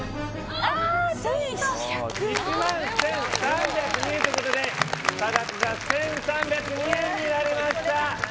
あーちょっと１１３０２円ということで差額が１３０２円になりました